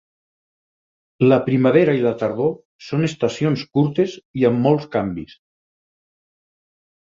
La primavera i la tardor són estacions curtes i amb molts canvis.